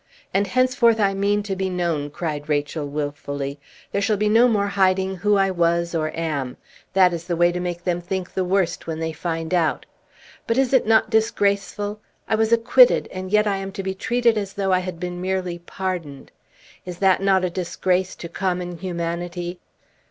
And henceforth I mean to be known!" cried Rachel, wilfully; "there shall be no more hiding who I was, or am; that is the way to make them think the worst when they find out. But is it not disgraceful? I was acquitted, and yet I am to be treated as though I had been merely pardoned. Is that not a disgrace to common humanity?"